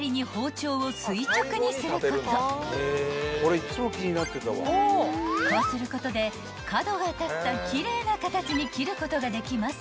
［こうすることで角が立った奇麗な形に切ることができます］